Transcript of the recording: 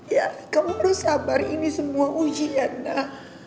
ya kamu harus sabar ini semua ujian nak